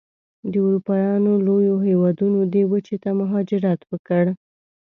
د اروپایانو لویو هېوادونو دې وچې ته مهاجرت وکړ.